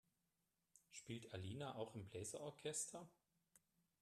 Spielt Alina auch im Bläser-Orchester?